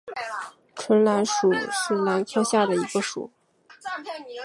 唇兰属是兰科下的一个属。